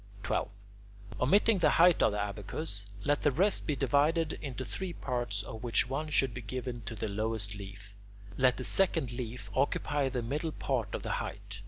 12. Omitting the height of the abacus, let the rest be divided into three parts, of which one should be given to the lowest leaf. Let the second leaf occupy the middle part of the height.